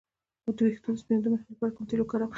د ویښتو د سپینیدو مخنیوي لپاره کوم تېل وکاروم؟